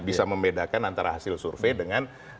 bisa membedakan antara hasil survei dengan